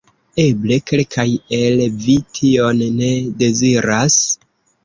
Eble, kelkaj el vi tion ne deziras?